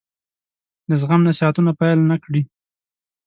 د زغم نصيحتونه پیل نه کړي.